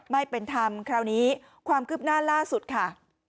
ไม่เป็นธรรมคราวนี้ความคืบหน้าล่าสุดค่ะ